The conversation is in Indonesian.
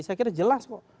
saya kira jelas kok